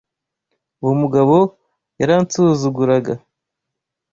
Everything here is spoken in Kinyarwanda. Uwo mugabo yaransuzuguraga.